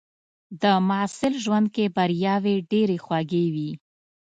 د محصل ژوند کې بریاوې ډېرې خوږې وي.